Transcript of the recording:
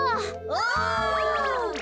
お！